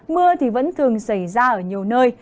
mưa thì vẫn thường xảy ra ở nhiều nơi